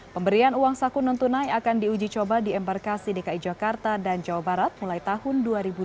pemberian uang saku non tunai akan diuji coba di embarkasi dki jakarta dan jawa barat mulai tahun dua ribu dua puluh